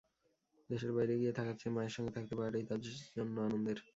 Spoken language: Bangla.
দেশের বাইরে গিয়ে থাকার চেয়ে মায়ের সঙ্গে থাকতে পারাটাই তাঁর জন্য আনন্দের।